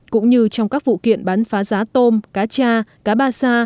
cũng như trong các vụ kiện bán phá giá tôm cá cha cá ba sa